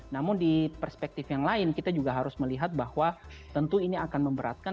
namun di perspektif yang lain kita juga harus melihat bahwa tentu ini akan memberatkan